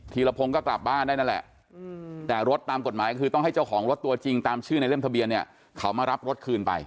ีรพงศ์ก็กลับบ้านได้นั่นแหละแต่รถตามกฎหมายก็คือต้องให้เจ้าของรถตัวจริงตามชื่อในเล่มทะเบียนเนี่ยเขามารับรถคืนไป